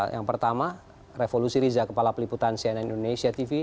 yang pertama revolusi riza kepala peliputan cnn indonesia tv